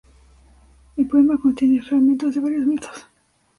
El poema contiene fragmentos de varios mitos.